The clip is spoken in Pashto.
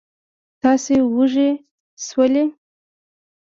تاسې وږي شولئ.